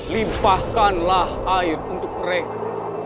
limpahkanlah air untuk mereka